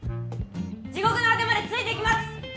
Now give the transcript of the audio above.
地獄の果てまでついていきます！